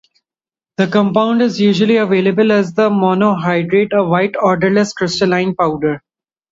The compound is usually available as the monohydrate, a white, odorless, crystalline powder.